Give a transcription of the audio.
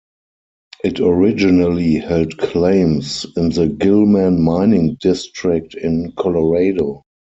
It originally held claims in the Gilman Mining district in Colorado.